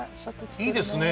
いいですね。